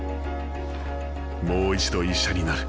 もう一度医者になる。